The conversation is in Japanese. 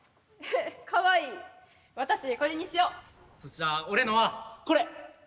じゃあ俺のはこれ！